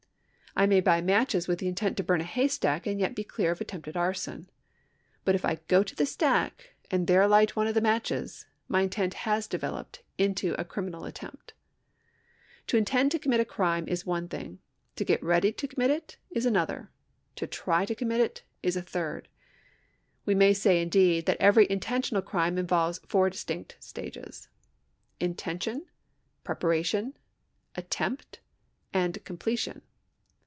I may buy matches with intent to burn a haystack, and yet be clear of attempted arson ; but if I go to the stack and there light one of the matches, my intent has developed into a criminal at tempt. To intend to commit a crime is one thing ; to get ready to commit it is another ; to try to commit it is a thnd. We may say, indeed, that every intentional crime involves four distinct stages — Intention, Preparation, Attempt, and Completion.